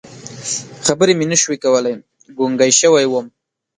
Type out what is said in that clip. خبرې مې نه شوې کولی، ګونګی شوی وم.